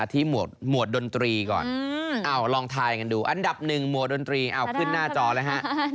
หมวดดนตรีก่อนลองทายกันดูอันดับหนึ่งหมวดดนตรีเอาขึ้นหน้าจอเลยฮะ